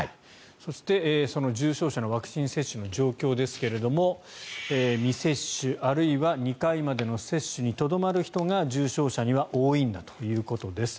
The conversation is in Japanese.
そして、その重症者のワクチン接種の状況ですが未接種あるいは２回までの接種にとどまる人が重症者には多いんだということです。